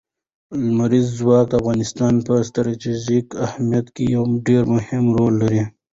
لمریز ځواک د افغانستان په ستراتیژیک اهمیت کې یو ډېر مهم رول لري.